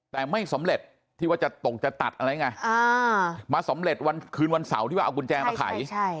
แต่ไม่สำเร็จที่ว่าจะตกจะตัดอะไรไงมาสำเร็จวันคืนวันเสาร์ที่ว่าเอากุญแจมาไข